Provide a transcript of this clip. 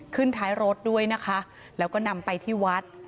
ท้ายรถด้วยนะคะแล้วก็นำไปที่วัด